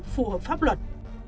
phù hợp pháp luật